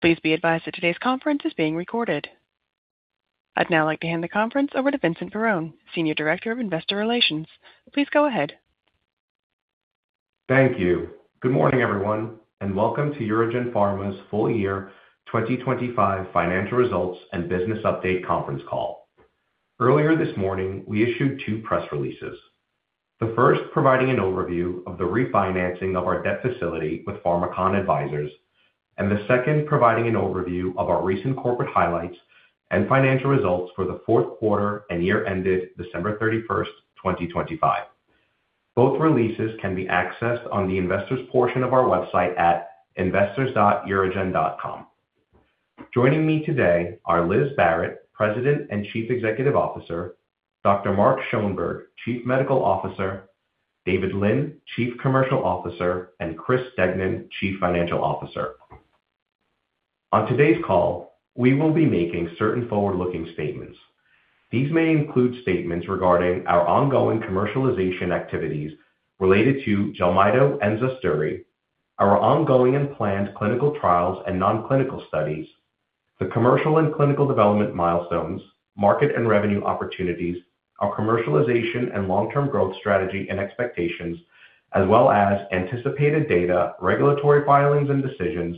Please be advised that today's conference is being recorded. I'd now like to hand the conference over to Vincent Perrone, Senior Director of Investor Relations. Please go ahead. Thank you. Good morning, everyone, welcome to UroGen Pharma's full year 2025 financial results and business update conference call. Earlier this morning, we issued two press releases. The first providing an overview of the refinancing of our debt facility with Pharmakon Advisors, and the second providing an overview of our recent corporate highlights and financial results for the fourth quarter and year-ended December 31st, 2025. Both releases can be accessed on the investors portion of our website at investors.urogen.com. Joining me today are Liz Barrett, President and Chief Executive Officer, Dr. Mark Schoenberg, Chief Medical Officer, David Lin, Chief Commercial Officer, and Chris Stegman, Chief Financial Officer. On today's call, we will be making certain forward-looking statements. These may include statements regarding our ongoing commercialization activities related to JELMYTO and ADSTILADRIN, our ongoing and planned clinical trials and non-clinical studies, the commercial and clinical development milestones, market and revenue opportunities, our commercialization and long-term growth strategy and expectations, as well as anticipated data, regulatory filings and decisions,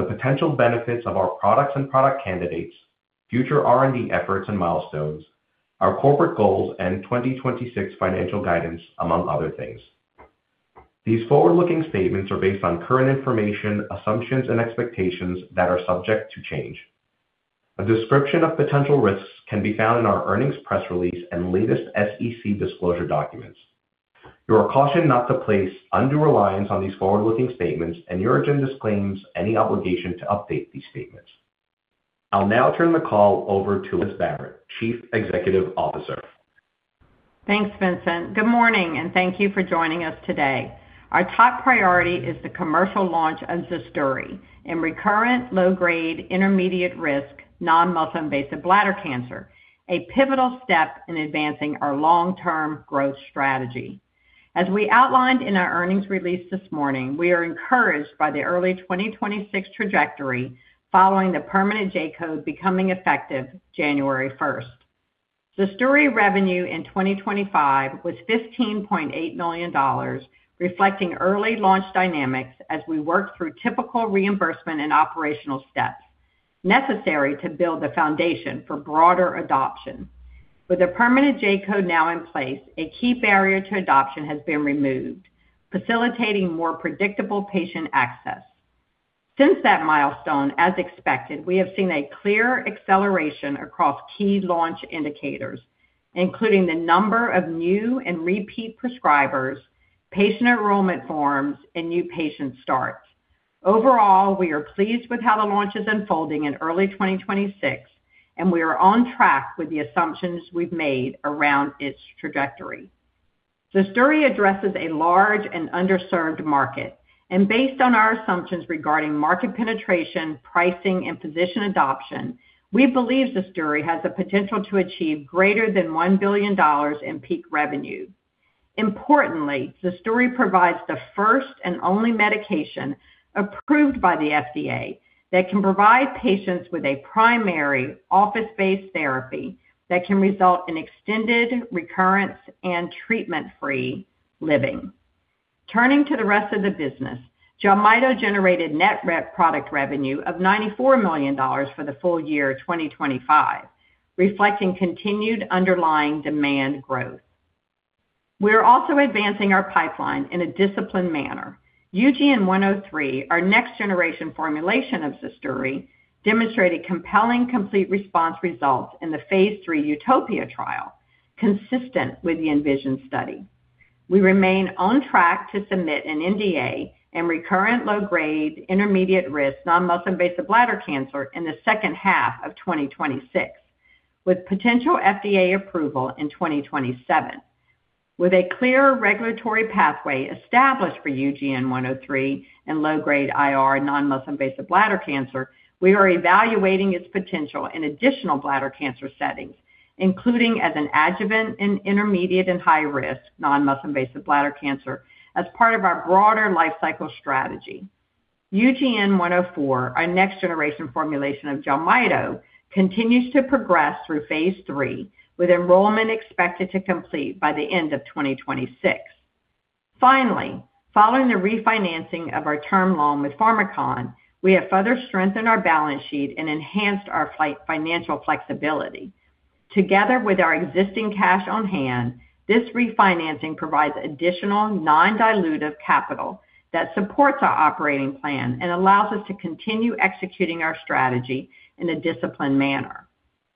the potential benefits of our products and product candidates, future R&D efforts and milestones, our corporate goals and 2026 financial guidance, among other things. These forward-looking statements are based on current information, assumptions, and expectations that are subject to change. A description of potential risks can be found in our earnings press release and latest SEC disclosure documents. You are cautioned not to place undue reliance on these forward-looking statements, and UroGen disclaims any obligation to update these statements. I'll now turn the call over to Liz Barrett, Chief Executive Officer. Thanks, Vincent. Good morning, and thank you for joining us today. Our top priority is the commercial launch of ZUSDURI in recurrent low-grade intermediate-risk non-muscle invasive bladder cancer, a pivotal step in advancing our long-term growth strategy. As we outlined in our earnings release this morning, we are encouraged by the early 2026 trajectory following the permanent J-code becoming effective January 1st. ZUSDURI revenue in 2025 was $15.8 million, reflecting early launch dynamics as we work through typical reimbursement and operational steps necessary to build the foundation for broader adoption. With a permanent J-code now in place, a key barrier to adoption has been removed, facilitating more predictable patient access. Since that milestone, as expected, we have seen a clear acceleration across key launch indicators, including the number of new and repeat prescribers, patient enrollment forms, and new patient starts. Overall, we are pleased with how the launch is unfolding in early 2026, and we are on track with the assumptions we've made around its trajectory. ZUSDURI addresses a large and underserved market, and based on our assumptions regarding market penetration, pricing, and physician adoption, we believe ZUSDURI has the potential to achieve greater than $1 billion in peak revenue. Importantly, ZUSDURI provides the first and only medication approved by the FDA that can provide patients with a primary office-based therapy that can result in extended recurrence and treatment-free living. Turning to the rest of the business, JELMYTO generated net product revenue of $94 million for the full year 2025, reflecting continued underlying demand growth. We are also advancing our pipeline in a disciplined manner. UGN-103, our next generation formulation of ZUSDURI, demonstrated compelling complete response results in the phase III UTOPIA trial, consistent with the ENVISION study. We remain on track to submit an NDA in recurrent low-grade intermediate-risk non-muscle invasive bladder cancer in the second half of 2026, with potential FDA approval in 2027. With a clear regulatory pathway established for UGN-103 in low-grade IR non-muscle invasive bladder cancer, we are evaluating its potential in additional bladder cancer settings, including as an adjuvant in intermediate and high-risk non-muscle invasive bladder cancer as part of our broader lifecycle strategy. UGN-104, our next generation formulation of JELMYTO, continues to progress through phase III, with enrollment expected to complete by the end of 2026. Finally, following the refinancing of our term loan with Pharmakon, we have further strengthened our balance sheet and enhanced our financial flexibility. Together with our existing cash on-hand, this refinancing provides additional non-dilutive capital that supports our operating plan and allows us to continue executing our strategy in a disciplined manner.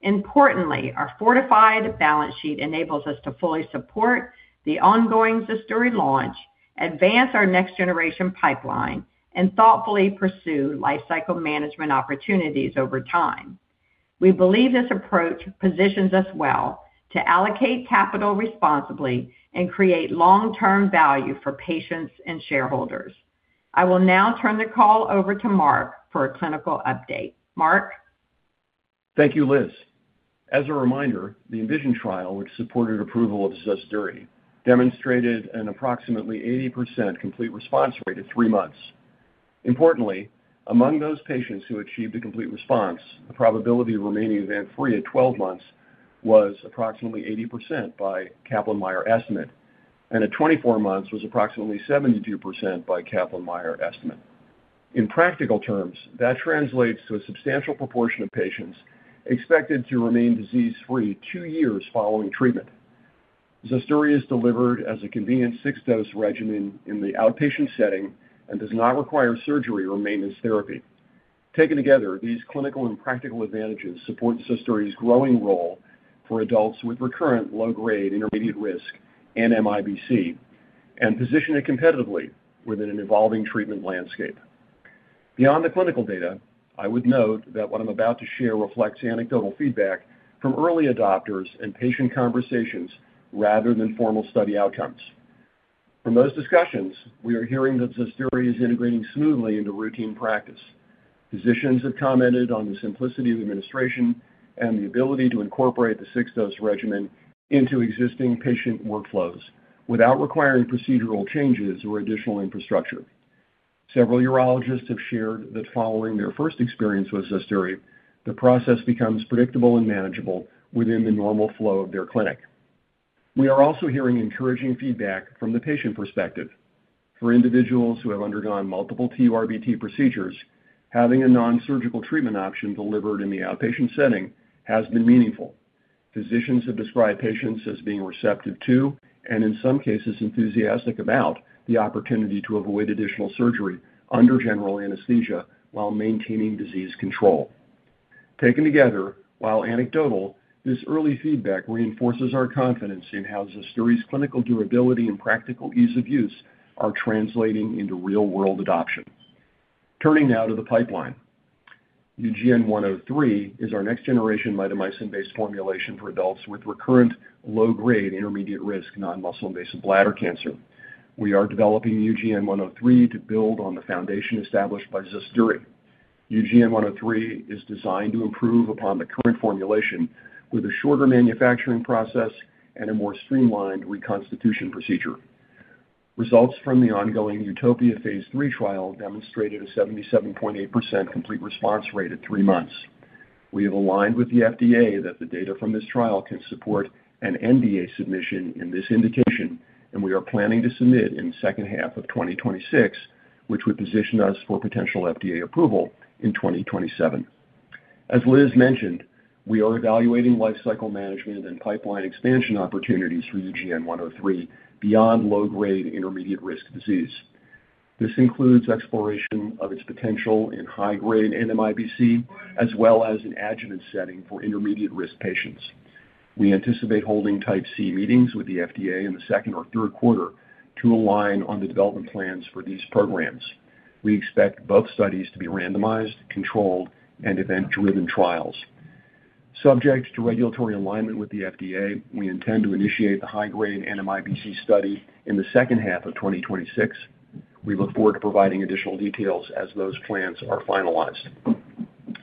Importantly, our fortified balance sheet enables us to fully support the ongoing ZUSDURI launch, advance our next generation pipeline, and thoughtfully pursue lifecycle management opportunities over time. We believe this approach positions us well to allocate capital responsibly and create long-term value for patients and shareholders. I will now turn the call over to Mark for a clinical update. Mark? Thank you, Liz. As a reminder, the ENVISION trial, which supported approval of ZUSDURI, demonstrated an approximately 80% complete response rate at 3 months. Importantly, among those patients who achieved a complete response, the probability of remaining event-free at 12 months was approximately 80% by Kaplan-Meier estimate, and at 24 months was approximately 72% by Kaplan-Meier estimate. In practical terms, that translates to a substantial proportion of patients expected to remain disease-free 2 years following treatment. ZUSDURI is delivered as a convenient 6-dose regimen in the outpatient setting and does not require surgery or maintenance therapy. Taken together, these clinical and practical advantages support ZUSDURI's growing role for adults with recurrent low-grade intermediate-risk NMIBC and position it competitively within an evolving treatment landscape. Beyond the clinical data, I would note that what I'm about to share reflects anecdotal feedback from early adopters and patient conversations rather than formal study outcomes. From those discussions, we are hearing that ZUSDURI is integrating smoothly into routine practice. Physicians have commented on the simplicity of administration and the ability to incorporate the six-dose regimen into existing patient workflows without requiring procedural changes or additional infrastructure. Several urologists have shared that following their first experience with ZUSDURI, the process becomes predictable and manageable within the normal flow of their clinic. We are also hearing encouraging feedback from the patient perspective. For individuals who have undergone multiple TURBT procedures, having a non-surgical treatment option delivered in the outpatient setting has been meaningful. Physicians have described patients as being receptive to, and in some cases enthusiastic about, the opportunity to avoid additional surgery under general anesthesia while maintaining disease control. Taken together, while anecdotal, this early feedback reinforces our confidence in how ZUSDURI's clinical durability and practical ease of use are translating into real-world adoption. Turning now to the pipeline. UGN-103 is our next-generation mitomycin-based formulation for adults with recurrent low-grade intermediate-risk non-muscle invasive bladder cancer. We are developing UGN-103 to build on the foundation established by ZUSDURI. UGN-103 is designed to improve upon the current formulation with a shorter manufacturing process and a more streamlined reconstitution procedure. Results from the ongoing UTOPIA phase III trial demonstrated a 77.8% complete response rate at 3 months. We have aligned with the FDA that the data from this trial can support an NDA submission in this indication, and we are planning to submit in the second half of 2026, which would position us for potential FDA approval in 2027. As Liz mentioned, we are evaluating lifecycle management and pipeline expansion opportunities for UGN-103 beyond low-grade intermediate-risk disease. This includes exploration of its potential in high-grade NMIBC as well as an adjuvant setting for intermediate-risk patients. We anticipate holding Type C meetings with the FDA in the second or third quarter to align on the development plans for these programs. We expect both studies to be randomized, controlled, and event-driven trials. Subject to regulatory alignment with the FDA, we intend to initiate the high-grade NMIBC study in the second half of 2026. We look forward to providing additional details as those plans are finalized.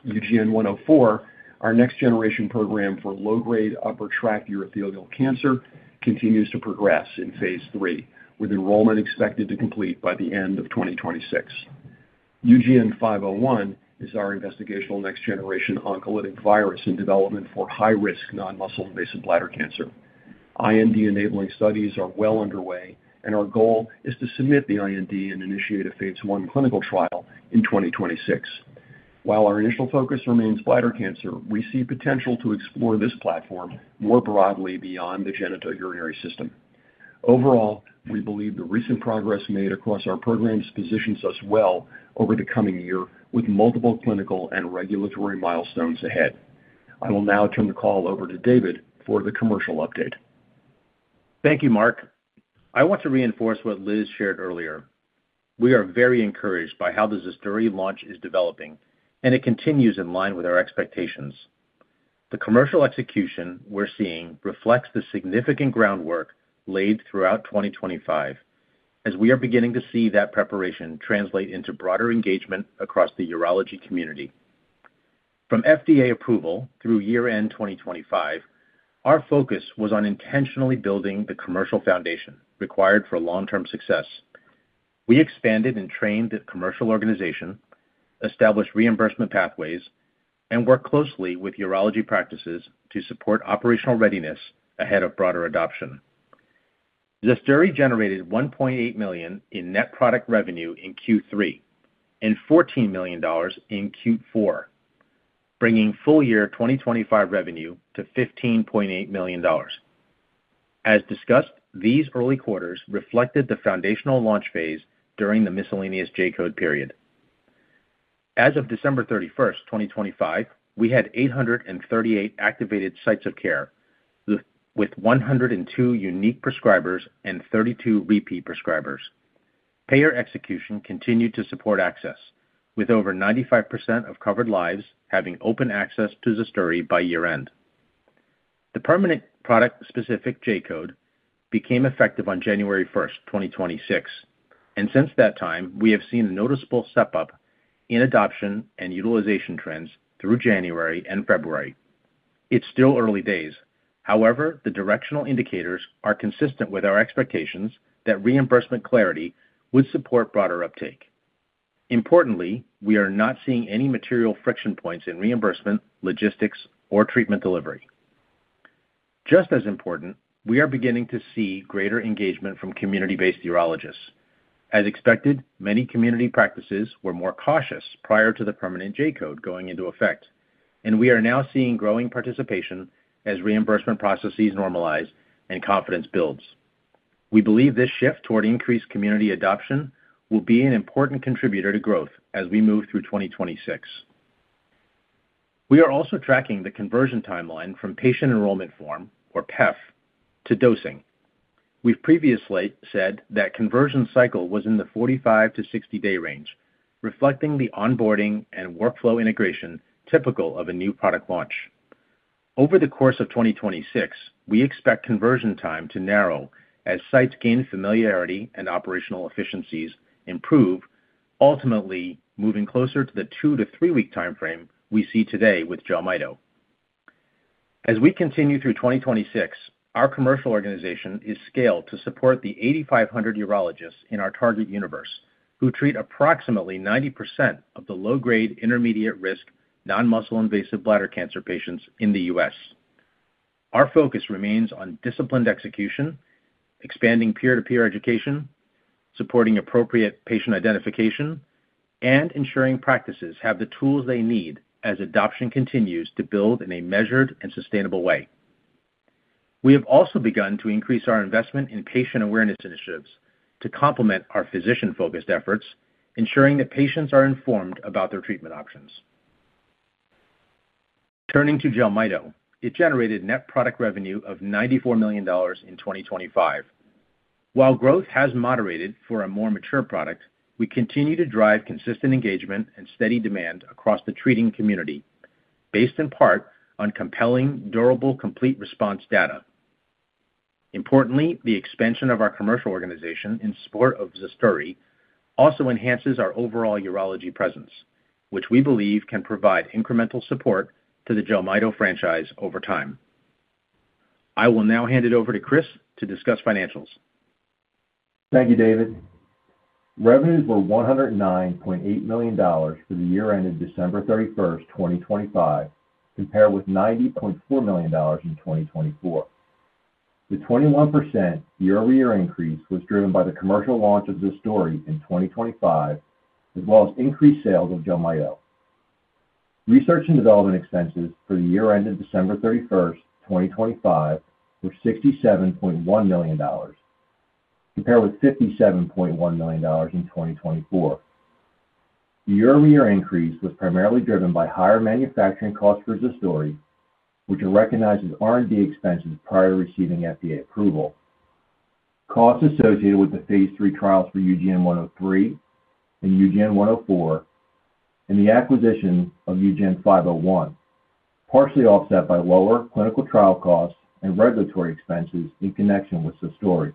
UGN-104, our next-generation program for low-grade upper tract urothelial cancer, continues to progress in phase III, with enrollment expected to complete by the end of 2026. UGN-501 is our investigational next-generation oncolytic virus in development for high-risk non-muscle invasive bladder cancer. IND-enabling studies are well underway, and our goal is to submit the IND and initiate a phase I clinical trial in 2026. While our initial focus remains bladder cancer, we see potential to explore this platform more broadly beyond the genitourinary system. Overall, we believe the recent progress made across our programs positions us well over the coming year with multiple clinical and regulatory milestones ahead. I will now turn the call over to David for the commercial update. Thank you, Mark. I want to reinforce what Liz shared earlier. We are very encouraged by how the ZUSDURI launch is developing, and it continues in line with our expectations. The commercial execution we're seeing reflects the significant groundwork laid throughout 2025, as we are beginning to see that preparation translate into broader engagement across the urology community. From FDA approval through year-end 2025, our focus was on intentionally building the commercial foundation required for long-term success. We expanded and trained the commercial organization, established reimbursement pathways, and worked closely with urology practices to support operational readiness ahead of broader adoption. ZUSDURI generated $1.8 million in net product revenue in Q3 and $14 million in Q4, bringing full-year 2025 revenue to $15.8 million. As discussed, these early quarters reflected the foundational launch phase during the miscellaneous J-code period. As of December 31, 2025, we had 838 activated sites of care with 102 unique prescribers and 32 repeat prescribers. Payer execution continued to support access, with over 95% of covered lives having open access to ZUSDURI by year-end. Since that time, we have seen a noticeable step up in adoption and utilization trends through January and February. It's still early days. However, the directional indicators are consistent with our expectations that reimbursement clarity would support broader uptake. Importantly, we are not seeing any material friction points in reimbursement, logistics or treatment delivery. Just as important, we are beginning to see greater engagement from community-based urologists. As expected, many community practices were more cautious prior to the permanent J-code going into effect, and we are now seeing growing participation as reimbursement processes normalize and confidence builds. We believe this shift toward increased community adoption will be an important contributor to growth as we move through 2026. We are also tracking the conversion timeline from patient enrollment form, or PEF, to dosing. We've previously said that conversion cycle was in the 45-60-day range, reflecting the onboarding and workflow integration typical of a new product launch. Over the course of 2026, we expect conversion time to narrow as sites gain familiarity and operational efficiencies improve, ultimately moving closer to the 2-3-week time frame we see today with JELMYTO. As we continue through 2026, our commercial organization is scaled to support the 8,500 urologists in our target universe, who treat approximately 90% of the low-grade intermediate-risk non-muscle invasive bladder cancer patients in the U.S. Our focus remains on disciplined execution, expanding peer-to-peer education, supporting appropriate patient identification, and ensuring practices have the tools they need as adoption continues to build in a measured and sustainable way. We have also begun to increase our investment in patient awareness initiatives to complement our physician-focused efforts, ensuring that patients are informed about their treatment options. Turning to JELMYTO, it generated net product revenue of $94 million in 2025. While growth has moderated for a more mature product, we continue to drive consistent engagement and steady demand across the treating community based in part on compelling durable, complete response data. Importantly, the expansion of our commercial organization in support of ZUSDURI also enhances our overall urology presence, which we believe can provide incremental support to the JELMYTO franchise over time. I will now hand it over to Chris to discuss financials. Thank you, David. Revenues were $109.8 million for the year ended December 31st, 2025, compared with $90.4 million in 2024. The 21% year-over-year increase was driven by the commercial launch of ZUSDURI in 2025, as well as increased sales of JELMYTO. Research and development expenses for the year ended December 31st, 2025, were $67.1 million, compared with $57.1 million in 2024. The year-over-year increase was primarily driven by higher manufacturing costs for ZUSDURI, which are recognized as R&D expenses prior to receiving FDA approval. Costs associated with the phase III trials for UGN-103 and UGN-104 and the acquisition of UGN-501, partially offset by lower clinical trial costs and regulatory expenses in connection with ZUSDURI.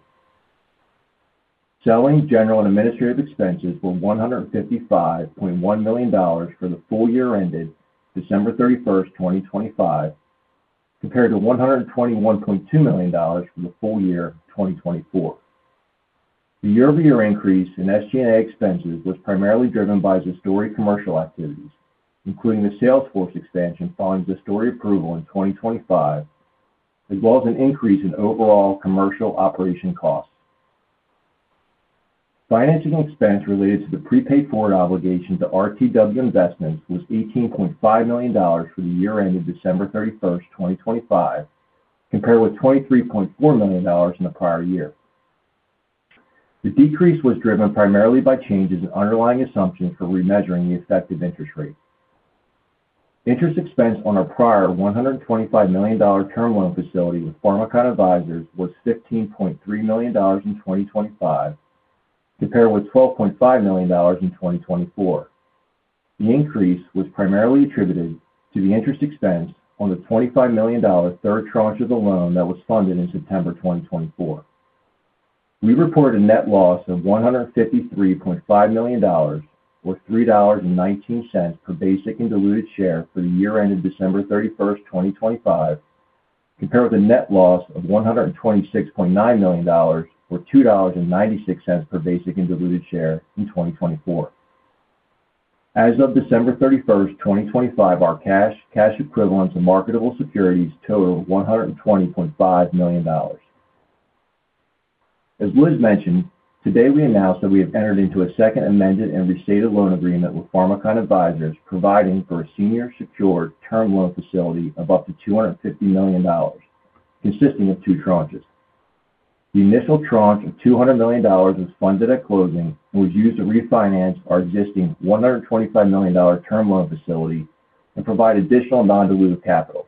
Selling, general and administrative expenses were $155.1 million for the full year ended December 31st, 2025, compared to $121.2 million for the full year of 2024. The year-over-year increase in SG&A expenses was primarily driven by ZUSDURI commercial activities, including the sales force expansion following ZUSDURI approval in 2025, as well as an increase in overall commercial operation costs. Financing expense related to the prepaid forward obligation to RTW Investments was $18.5 million for the year ended December 31st, 2025, compared with $23.4 million in the prior year. The decrease was driven primarily by changes in underlying assumptions for remeasuring the effective interest rate. Interest expense on our prior $125 million term loan facility with Pharmakon Advisors was $15.3 million in 2025, compared with $12.5 million in 2024. The increase was primarily attributed to the interest expense on the $25 million third tranche of the loan that was funded in September 2024. We reported a net loss of $153.5 million, or $3.19 per basic and diluted share for the year ended December 31st, 2025, compared with a net loss of $126.9 million, or $2.96 per basic and diluted share in 2024. As of December 31st, 2025, our cash equivalents and marketable securities total $120.5 million. As Liz mentioned, today we announced that we have entered into a second amended and restated loan agreement with Pharmakon Advisors, providing for a senior secured term loan facility of up to $250 million, consisting of 2 tranches. The initial tranche of $200 million was funded at closing and was used to refinance our existing $125 million term loan facility and provide additional non-dilutive capital.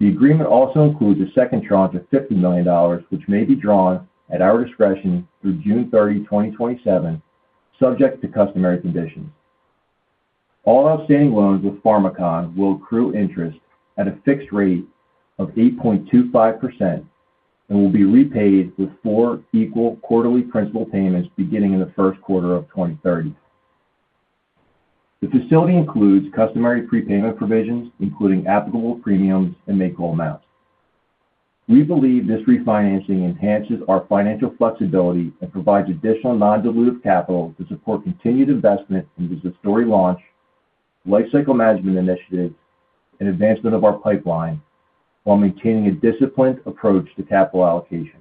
The agreement also includes a second tranche of $50 million, which may be drawn at our discretion through June 30, 2027, subject to customary conditions. All outstanding loans with Pharmakon will accrue interest at a fixed rate of 8.25% and will be repaid with 4 equal quarterly principal payments beginning in the first quarter of 2030. The facility includes customary prepayment provisions, including applicable premiums and make-whole amounts. We believe this refinancing enhances our financial flexibility and provides additional non-dilutive capital to support continued investment into ZUSDURI launch, lifecycle management initiatives, and advancement of our pipeline while maintaining a disciplined approach to capital allocation.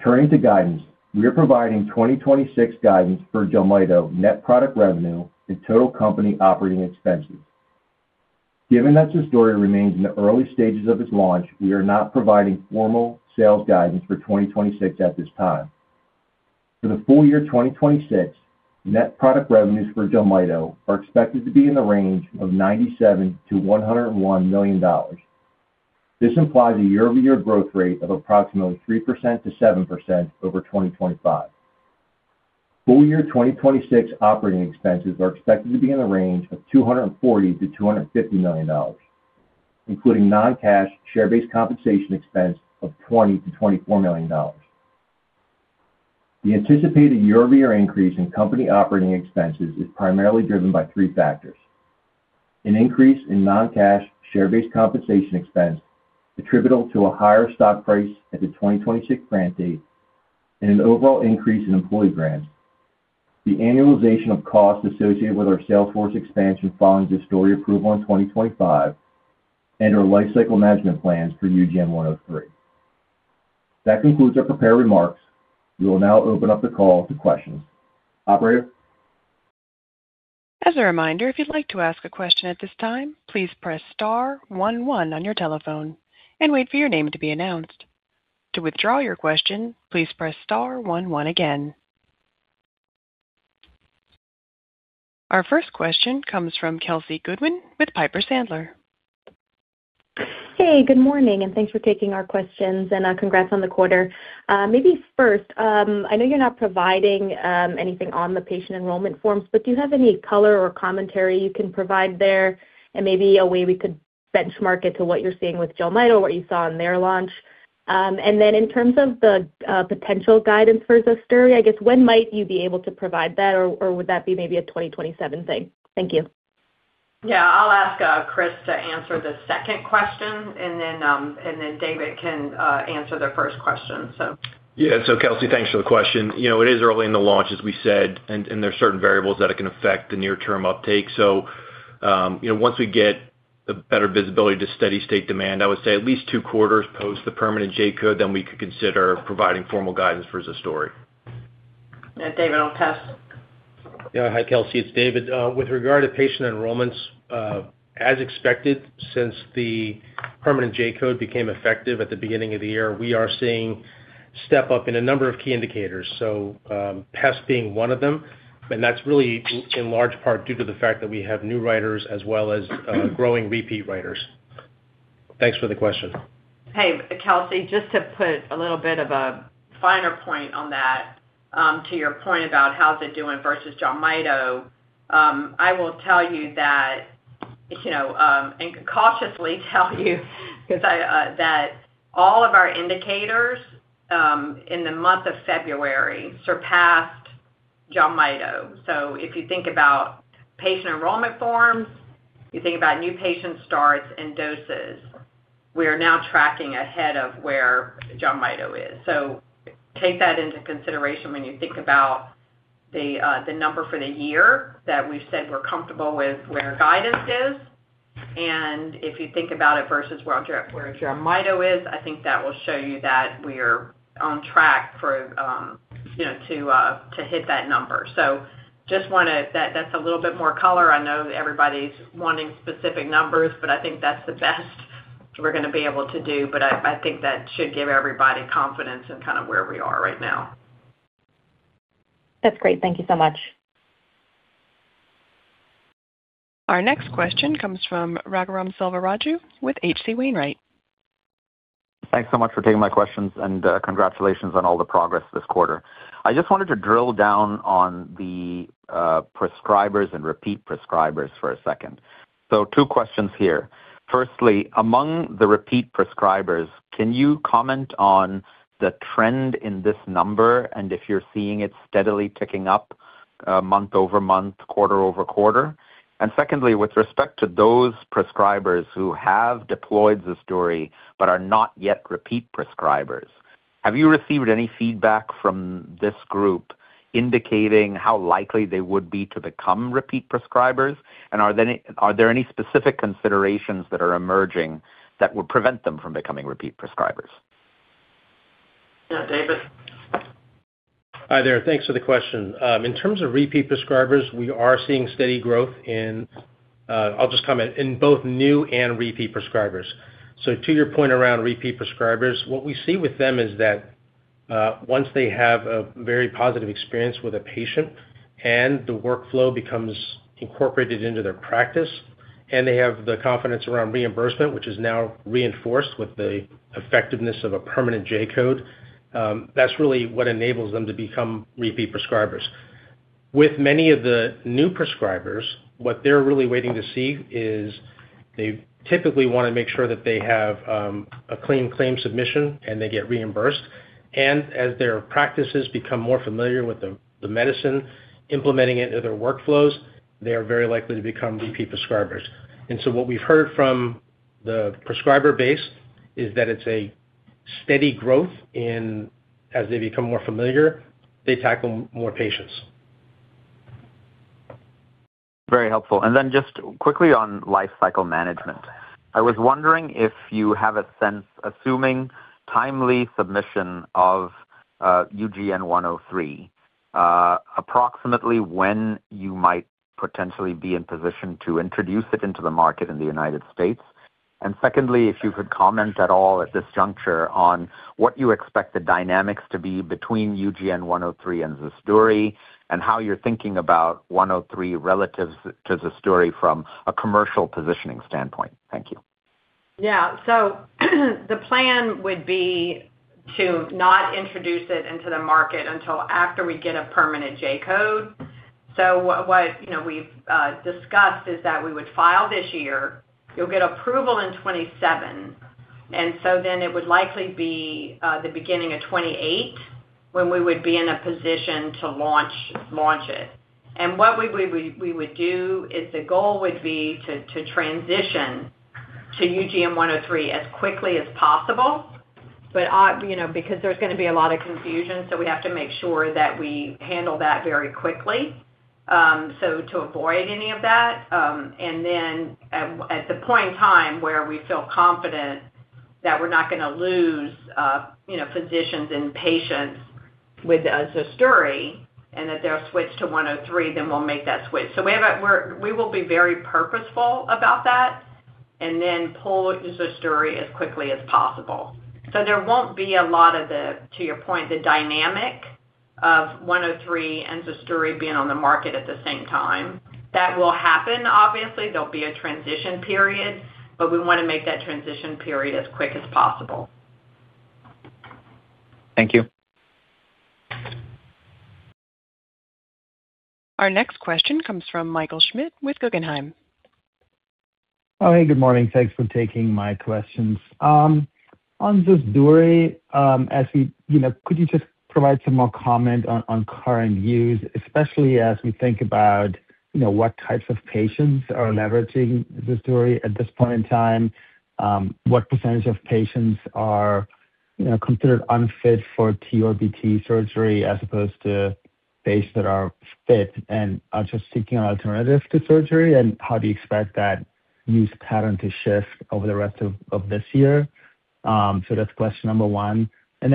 Turning to guidance. We are providing 2026 guidance for JELMYTO net product revenue and total company operating expenses. Given that ZUSDURI remains in the early stages of its launch, we are not providing formal sales guidance for 2026 at this time. For the full year 2026, net product revenues for JELMYTO are expected to be in the range of $97 million-$101 million. This implies a year-over-year growth rate of approximately 3%-7% over 2025. Full year 2026 operating expenses are expected to be in the range of $240 million-$250 million, including non-cash share-based compensation expense of $20 million-$24 million. The anticipated year-over-year increase in company operating expenses is primarily driven by three factors. An increase in non-cash share-based compensation expense attributable to a higher stock price at the 2026 grant date and an overall increase in employee grants. The annualization of costs associated with our sales force expansion following ZUSDURI approval in 2025 and our lifecycle management plans for UGN-103. That concludes our prepared remarks. We will now open up the call to questions. Operator? As a reminder, if you'd like to ask a question at this time, please press star 11 on your telephone and wait for your name to be announced. To withdraw your question, please press star 11 again. Our first question comes from Kelsey Goodwin with Piper Sandler. Hey, good morning, and thanks for taking our questions and congrats on the quarter. Maybe first, I know you're not providing anything on the patient enrollment forms, but do you have any color or commentary you can provide there and maybe a way we could benchmark it to what you're seeing with JELMYTO or what you saw in their launch? In terms of the potential guidance for ZUSDURI, I guess, when might you be able to provide that, or would that be maybe a 2027 thing? Thank you. Yeah. I'll ask Chris to answer the second question, and then David can answer the first question. Yeah. Kelsey, thanks for the question. You know, it is early in the launch, as we said, and there are certain variables that can affect the near-term uptake. You know, once we get a better visibility to steady-state demand, I would say at least 2 quarters post the permanent J-code, we could consider providing formal guidance for ZUSDURI. Yeah, David, I'll pass. Yeah. Hi, Kelsey. It's David. With regard to patient enrollments, as expected, since the permanent J-code became effective at the beginning of the year, we are seeing step up in a number of key indicators. PEFs being one of them, and that's really in large part due to the fact that we have new writers as well as, growing repeat writers. Thanks for the question. Hey, Kelsey. Just to put a little bit of a finer point on that, to your point about how's it doing versus JELMYTO, I will tell you that, you know, and cautiously tell you 'cause that all of our indicators in the month of February surpassed JELMYTO. If you think about patient enrollment forms, you think about new patient starts and doses, we are now tracking ahead of where JELMYTO is. Take that into consideration when you think about the number for the year that we've said we're comfortable with where guidance is. If you think about it versus where JELMYTO is, I think that will show you that we're on track for, you know, to hit that number. That's a little bit more color. I know everybody's wanting specific numbers, but I think that's the best we're gonna be able to do. I think that should give everybody confidence in kind of where we are right now. That's great. Thank you so much. Our next question comes from Raghuram Selvaraju with H.C. Wainwright. Thanks so much for taking my questions, congratulations on all the progress this quarter. I just wanted to drill down on the prescribers and repeat prescribers for a second. Two questions here. Firstly, among the repeat prescribers, can you comment on the trend in this number and if you're seeing it steadily ticking up month-over-month, quarter-over-quarter? Secondly, with respect to those prescribers who have deployed ZUSDURI but are not yet repeat prescribers, have you received any feedback from this group indicating how likely they would be to become repeat prescribers? Are there any specific considerations that are emerging that would prevent them from becoming repeat prescribers? Yeah. David? Hi, there. Thanks for the question. In terms of repeat prescribers, we are seeing steady growth in, I'll just comment, in both new and repeat prescribers. To your point around repeat prescribers, what we see with them is that, once they have a very positive experience with a patient and the workflow becomes incorporated into their practice. They have the confidence around reimbursement, which is now reinforced with the effectiveness of a permanent J-code. That's really what enables them to become repeat prescribers. With many of the new prescribers, what they're really waiting to see is they typically wanna make sure that they have a clean claim submission, and they get reimbursed. As their practices become more familiar with the medicine, implementing it into their workflows, they are very likely to become repeat prescribers. What we've heard from the prescriber base is that it's a steady growth in as they become more familiar, they tackle more patients. Very helpful. Then just quickly on life cycle management. I was wondering if you have a sense, assuming timely submission of UGN-103, approximately when you might potentially be in position to introduce it into the market in the United States. Secondly, if you could comment at all at this juncture on what you expect the dynamics to be between UGN-103 and ZUSDURI and how you're thinking about 103 relative to ZUSDURI from a commercial positioning standpoint. Thank you. The plan would be to not introduce it into the market until after we get a permanent J-code. What, you know, we've discussed is that we would file this year. You'll get approval in 2027. It would likely be the beginning of 2028 when we would be in a position to launch it. What we would do is the goal would be to transition to UGN-103 as quickly as possible. You know, because there's gonna be a lot of confusion, so we have to make sure that we handle that very quickly, so to avoid any of that. At, at the point in time where we feel confident that we're not gonna lose, you know, physicians and patients with ZUSDURI and that they'll switch to 103, then we'll make that switch. We will be very purposeful about that and then pull ZUSDURI as quickly as possible. There won't be a lot of the, to your point, the dynamic of 103 and ZUSDURI being on the market at the same time. That will happen, obviously. There'll be a transition period, but we wanna make that transition period as quick as possible. Thank you. Our next question comes from Michael Schmidt with Guggenheim. Oh, hey, good morning. Thanks for taking my questions. On ZUSDURI, you know, could you just provide some more comment on current use, especially as we think about, you know, what types of patients are leveraging ZUSDURI at this point in time? What percentage of patients are, you know, considered unfit for TURBT surgery as opposed to patients that are fit and are just seeking an alternative to surgery? How do you expect that use pattern to shift over the rest of this year? That's question number one.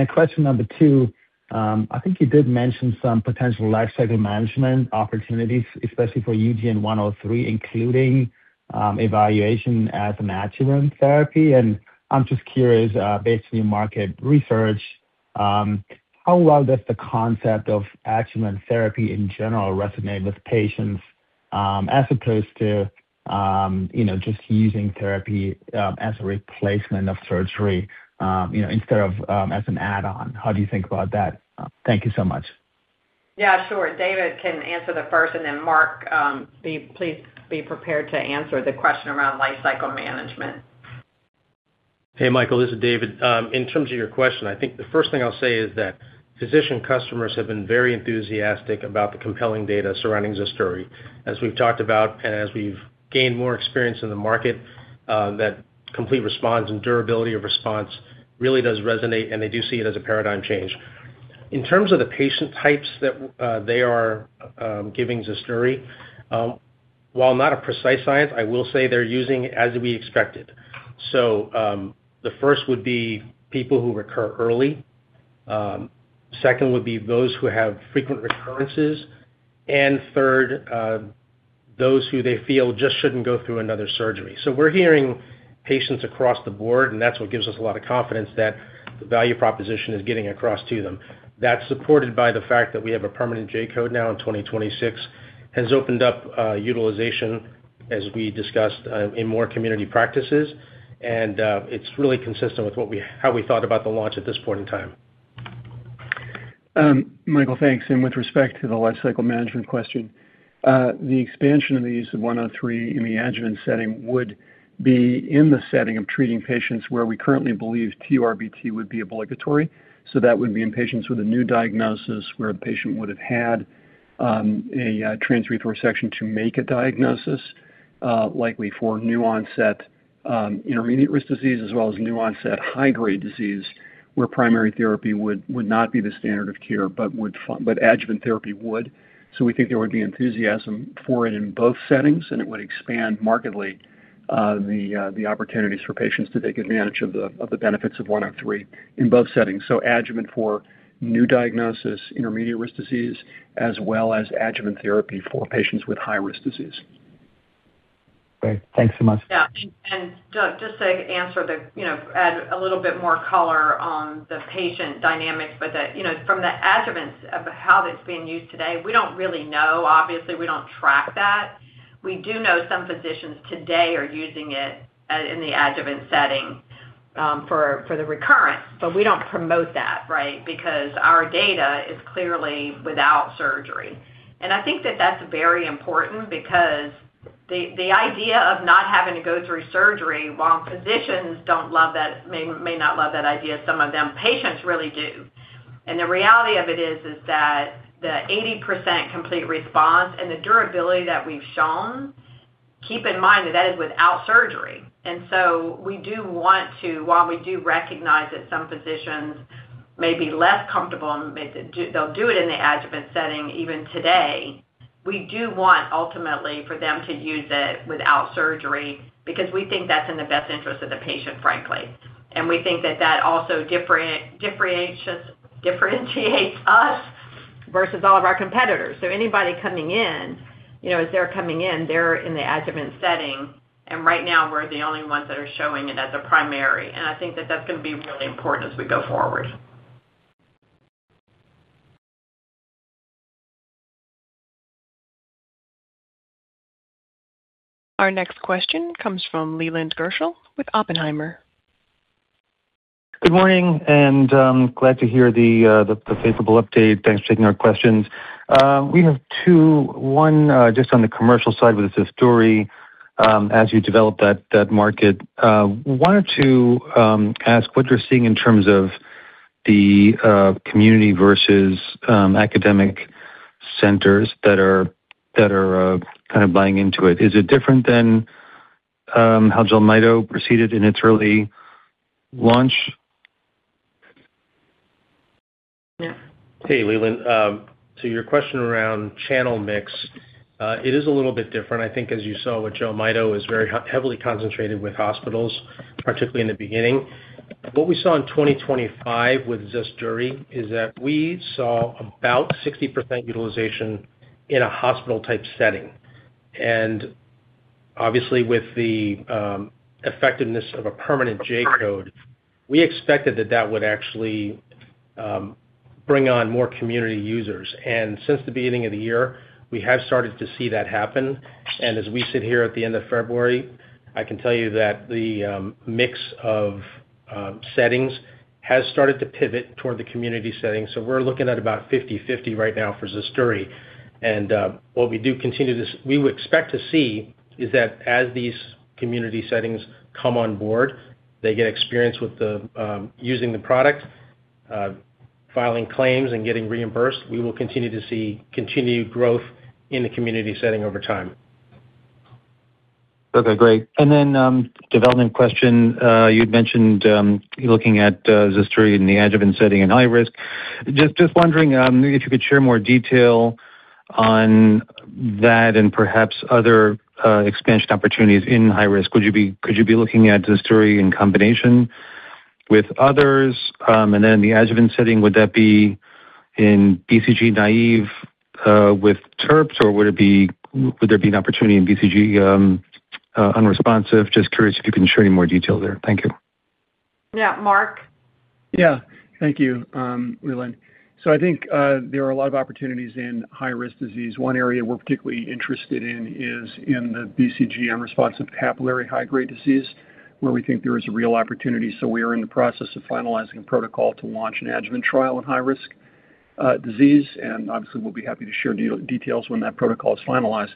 Question number two, I think you did mention some potential life cycle management opportunities, especially for UGN-103, including evaluation as an adjuvant therapy. I'm just curious, based on your market research, how well does the concept of adjuvant therapy in general resonate with patients, as opposed to, you know, just using therapy, as a replacement of surgery, you know, instead of, as an add-on? How do you think about that? Thank you so much. Yeah, sure. David can answer the first, and then Mark, please be prepared to answer the question around life cycle management. Hey, Michael, this is David. In terms of your question, I think the first thing I'll say is that physician customers have been very enthusiastic about the compelling data surrounding ZUSDURI. As we've talked about and as we've gained more experience in the market, that complete response and durability of response really does resonate, and they do see it as a paradigm change. In terms of the patient types that they are giving ZUSDURI, while not a precise science, I will say they're using as we expected. The first would be people who recur early. Second would be those who have frequent recurrences. Third, those who they feel just shouldn't go through another surgery. We're hearing patients across the board, and that's what gives us a lot of confidence that the value proposition is getting across to them. That's supported by the fact that we have a permanent J-code now in 2026, has opened up, utilization as we discussed, in more community practices, and, it's really consistent with how we thought about the launch at this point in time. Michael, thanks. With respect to the life cycle management question, the expansion of the use of 103 in the adjuvant setting would be in the setting of treating patients where we currently believe TURBT would be obligatory. That would be in patients with a new diagnosis where a patient would've had a transurethral resection to make a diagnosis, likely for new onset intermediate-risk disease as well as new onset high-grade disease, where primary therapy would not be the standard of care, but adjuvant therapy would. We think there would be enthusiasm for it in both settings, and it would expand markedly the opportunities for patients to take advantage of the benefits of 103 in both settings. Adjuvant for new diagnosis, intermediate-risk disease, as well as adjuvant therapy for patients with high-risk disease. Great. Thanks so much. Yeah. Doug, just to answer the, you know, add a little bit more color on the patient dynamics. You know, from the adjuvants of how it's being used today, we don't really know. Obviously, we don't track that. We do know some physicians today are using it in the adjuvant setting for the recurrence, but we don't promote that, right? Our data is clearly without surgery. I think that that's very important because the idea of not having to go through surgery, while physicians don't love that, may not love that idea, some of them, patients really do. The reality of it is that the 80% complete response and the durability that we've shown, keep in mind that that is without surgery. We do want to, while we do recognize that some physicians may be less comfortable and they do, they'll do it in the adjuvant setting, even today, we do want ultimately for them to use it without surgery because we think that's in the best interest of the patient, frankly. We think that also differentiates us versus all of our competitors. Anybody coming in, you know, as they're coming in, they're in the adjuvant setting, and right now we're the only ones that are showing it as a primary. I think that's gonna be really important as we go forward. Our next question comes from Leland Gershell with Oppenheimer. Good morning, and glad to hear the favorable update. Thanks for taking our questions. We have two. One, just on the commercial side with ZUSDURI, as you develop that market. wanted to ask what you're seeing in terms of the community versus academic centers that are kind of buying into it. Is it different than how JELMYTO proceeded in its early launch? Yeah. Hey, Leland. To your question around channel mix, it is a little bit different. I think as you saw with JELMYTO is very heavily concentrated with hospitals, particularly in the beginning. What we saw in 2025 with ZUSDURI is that we saw about 60% utilization in a hospital-type setting. Obviously with the effectiveness of a permanent J-code, we expected that that would actually bring on more community users. Since the beginning of the year, we have started to see that happen. As we sit here at the end of February, I can tell you that the mix of settings has started to pivot toward the community setting. We're looking at about 50/50 right now for ZUSDURI. What we do continue to we would expect to see is that as these community settings come on board, they get experience with the using the product, filing claims and getting reimbursed. We will continue to see continued growth in the community setting over time. Okay, great. Development question. You'd mentioned looking at ZUSDURI in the adjuvant setting in high risk. Just wondering, maybe if you could share more detail on that and perhaps other expansion opportunities in high risk. Would you be, could you be looking at ZUSDURI in combination with others? And then the adjuvant setting, would that be in BCG-naive with TURBTs? Or would there be an opportunity in BCG-unresponsive? Just curious if you can share any more detail there. Thank you. Yeah. Mark? Thank you, Leland. I think there are a lot of opportunities in high-risk disease. One area we're particularly interested in is in the BCG-unresponsive papillary high-grade disease, where we think there is a real opportunity. We are in the process of finalizing a protocol to launch an adjuvant trial in high-risk disease, and obviously, we'll be happy to share details when that protocol is finalized.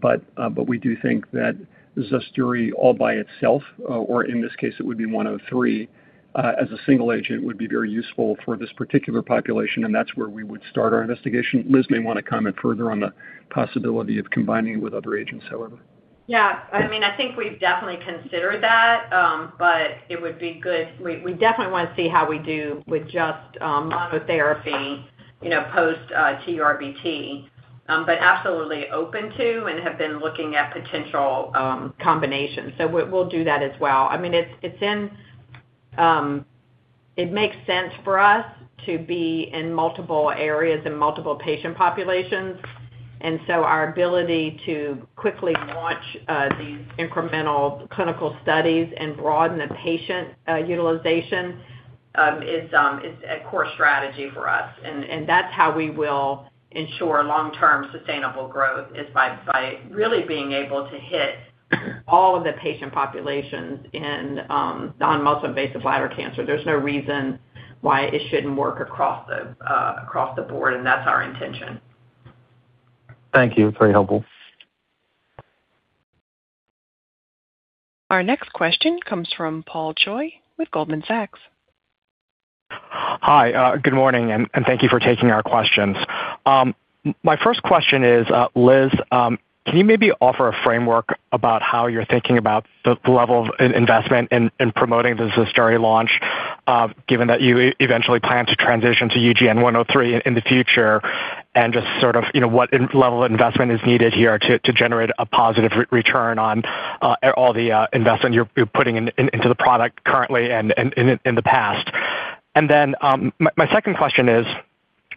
But we do think that ZUSDURI all by itself, or in this case it would be UGN-103, as a single agent would be very useful for this particular population, and that's where we would start our investigation. Liz may wanna comment further on the possibility of combining it with other agents, however. I mean, I think we've definitely considered that, but it would be good. We definitely wanna see how we do with just monotherapy, you know, post TURBT. But absolutely open to and have been looking at potential combinations. We'll do that as well. I mean, it's in. It makes sense for us to be in multiple areas and multiple patient populations. Our ability to quickly launch these incremental clinical studies and broaden the patient utilization, is a core strategy for us. That's how we will ensure long-term sustainable growth, is by really being able to hit all of the patient populations in non-muscle invasive bladder cancer. There's no reason why it shouldn't work across the across the board, and that's our intention. Thank you. Very helpful. Our next question comes from Paul Choi with Goldman Sachs. Hi. Good morning, and thank you for taking our questions. My first question is, Liz, can you maybe offer a framework about how you're thinking about the level of investment in promoting the ZUSDURI launch, given that you eventually plan to transition to UGN-103 in the future, and just sort of, you know, what level of investment is needed here to generate a positive return on, all the, investment you're putting in into the product currently and in the past? My second question is,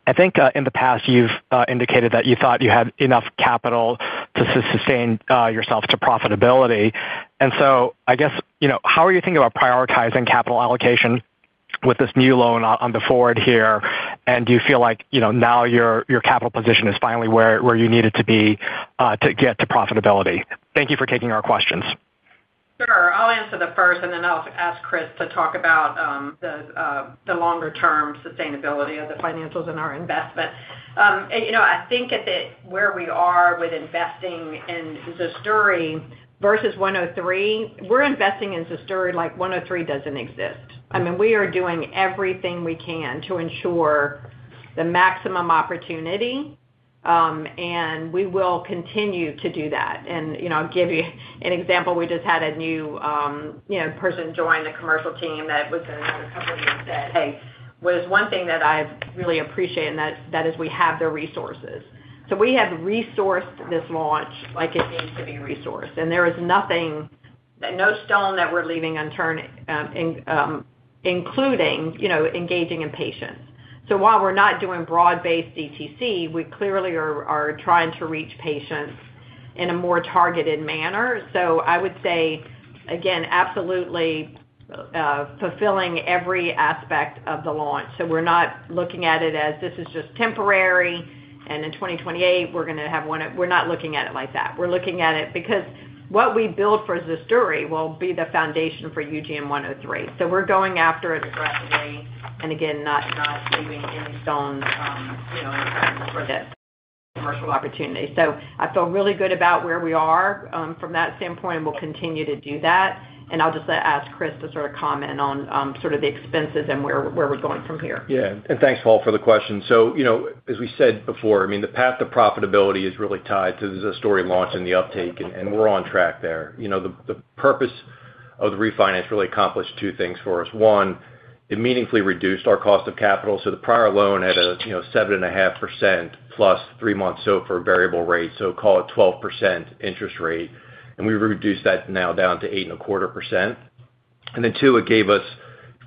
I think, in the past you've, indicated that you thought you had enough capital to sustain, yourself to profitability. I guess, you know, how are you thinking about prioritizing capital allocation, with this new loan on the forward here, and do you feel like, you know, now your capital position is finally where you need it to be to get to profitability? Thank you for taking our questions. Sure. I'll answer the first, and then I'll ask Chris to talk about the longer-term sustainability of the financials and our investment. You know, I think where we are with investing in ZUSDURI versus UGN-103, we're investing in ZUSDURI like UGN-103 doesn't exist. I mean, we are doing everything we can to ensure the maximum opportunity, and we will continue to do that. You know, I'll give you an example. We just had a new, you know, person join the commercial team that was in another company and said, "Hey. What is one thing that I really appreciate?" That is we have the resources. We have resourced this launch like it needs to be resourced, and there is nothing, no stone that we're leaving unturned, in including, you know, engaging in patients. While we're not doing broad-based DTC, we clearly are trying to reach patients in a more targeted manner. I would say, again, absolutely, fulfilling every aspect of the launch. We're not looking at it as this is just temporary, and in 2028. We're not looking at it like that. We're looking at it because what we build for ZUSDURI will be the foundation for UGN-103. We're going after it aggressively and again, not leaving any stones, you know, any stones for the commercial opportunity. I feel really good about where we are from that standpoint, and we'll continue to do that. I'll just ask Chris to sort of comment on sort of the expenses and where we're going from here. Yeah. Thanks, Paul, for the question. You know, as we said before, I mean, the path to profitability is really tied to the ZUSDURI launch and the uptake, and we're on track there. You know, the purpose of the refinance really accomplished two things for us. One, it meaningfully reduced our cost of capital, the prior loan had a, you know, 7.5% plus 3 months SOFR variable rate, call it 12% interest rate, we've reduced that now down to 8.25%. Two, it gave us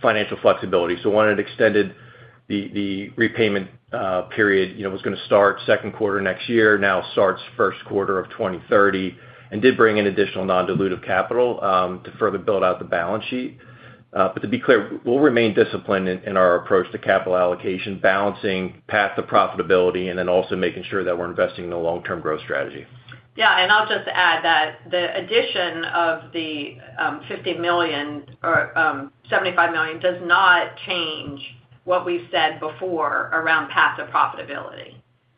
financial flexibility. One, it extended the repayment period. You know, it was gonna start second quarter next year, now starts first quarter of 2030, did bring in additional non-dilutive capital to further build out the balance sheet. To be clear, we'll remain disciplined in our approach to capital allocation, balancing path to profitability and then also making sure that we're investing in a long-term growth strategy. I'll just add that the addition of the $50 million or $75 million does not change what we've said before around path to profitability,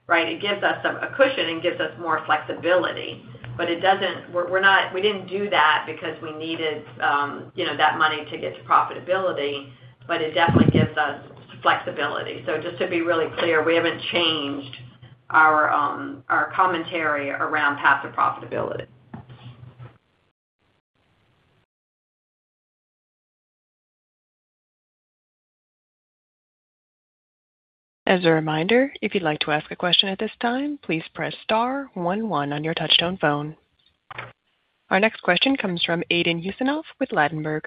right. It gives us a cushion and gives us more flexibility, but it doesn't. We didn't do that because we needed, you know, that money to get to profitability, but it definitely gives us flexibility. Just to be really clear, we haven't changed our commentary around path to profitability. As a reminder, if you'd like to ask a question at this time, please press star one one on your touchtone phone. Our next question comes from Aydin Huseynov with Ladenburg.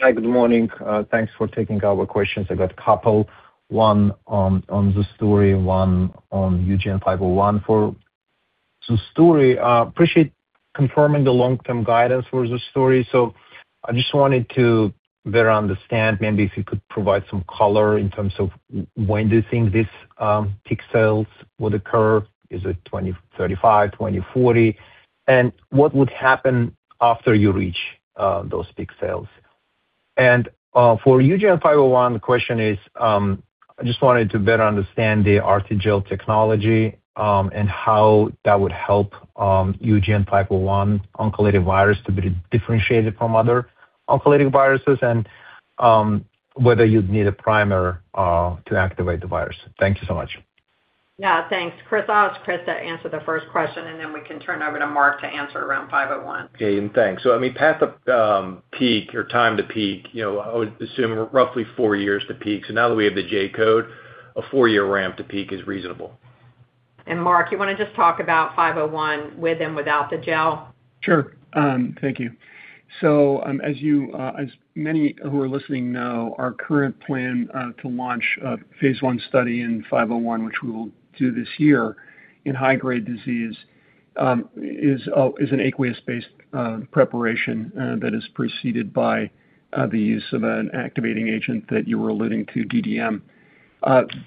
Hi, good morning. Thanks for taking our questions. I've got a couple, one on ZUSDURI and one on UGN-501. For ZUSDURI, appreciate confirming the long-term guidance for ZUSDURI. I just wanted to better understand, maybe if you could provide some color in terms of when do you think these peak sales would occur? Is it 2035, 2040? What would happen after you reach those peak sales? For UGN-501, the question is, I just wanted to better understand the RTGel technology, and how that would help UGN-501 oncolytic virus to be differentiated from other oncolytic viruses and whether you'd need a primer to activate the virus. Thank you so much. Yeah, thanks. Chris, I'll ask Chris to answer the first question, and then we can turn over to Mark to answer around UGN-501. Okay, thanks. I mean, path up, peak or time to peak, you know, I would assume roughly 4 years to peak. Now that we have the J-code, a 4-year ramp to peak is reasonable. Mark, you wanna just talk about 501 with and without the gel? Sure. Thank you. As you, as many who are listening know, our current plan to launch a phase I study in UGN-501, which we will do this year in high-grade disease, is an aqueous-based preparation that is preceded by the use of an activating agent that you were alluding to, DDM.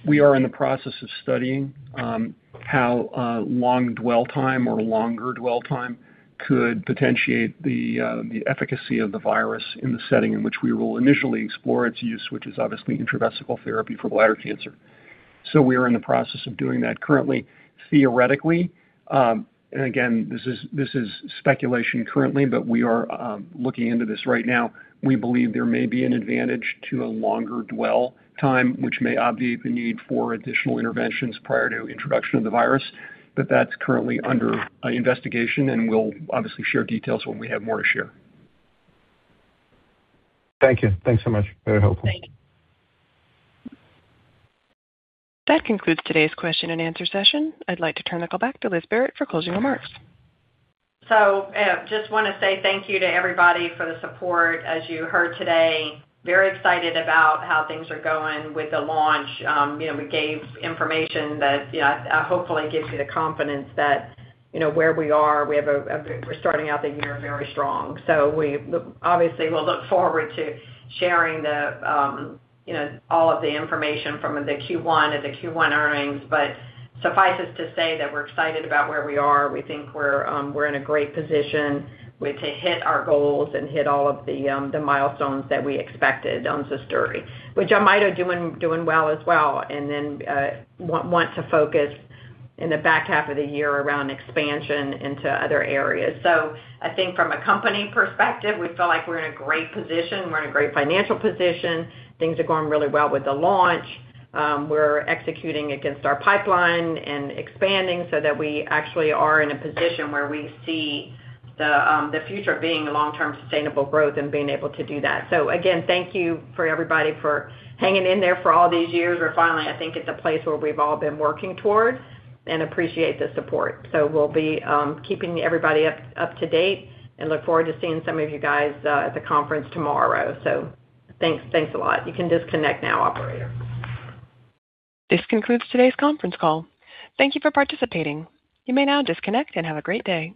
We are in the process of studying how a long dwell time or longer dwell time could potentiate the efficacy of the virus in the setting in which we will initially explore its use, which is obviously intravesical therapy for bladder cancer. We are in the process of doing that currently. Theoretically, again, this is speculation currently, but we are looking into this right now. We believe there may be an advantage to a longer dwell time, which may obviate the need for additional interventions prior to introduction of the virus. That's currently under investigation, and we'll obviously share details when we have more to share. Thank you. Thanks so much. Very helpful. Thank you. That concludes today's question and answer session. I'd like to turn the call back to Liz Barrett for closing remarks. Just wanna say thank you to everybody for the support. As you heard today, very excited about how things are going with the launch. You know, we gave information that, you know, hopefully gives you the confidence that, you know, where we are, we have a, we're starting out the year very strong. Obviously, we'll look forward to sharing the, you know, all of the information from the Q1 at the Q1 earnings. Suffice it to say that we're excited about where we are. We think we're in a great position to hit our goals and hit all of the milestones that we expected on ZUSDURI. JELMYTO doing well as well, then, want to focus in the back half of the year around expansion into other areas. I think from a company perspective, we feel like we're in a great position. We're in a great financial position. Things are going really well with the launch. We're executing against our pipeline and expanding so that we actually are in a position where we see the future being long-term sustainable growth and being able to do that. Again, thank you for everybody for hanging in there for all these years. We're finally, I think, at the place where we've all been working towards and appreciate the support. We'll be keeping everybody up to date and look forward to seeing some of you guys at the conference tomorrow. Thanks a lot. You can disconnect now, operator. This concludes today's conference call. Thank you for participating. You may now disconnect and have a great day.